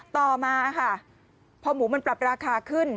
ต่อมาค่ะพอหมูมันปรับราคาขึ้น